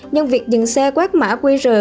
nhưng việc dừng xe quát mã quy rờ